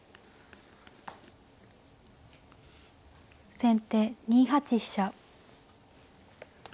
先手２八飛車。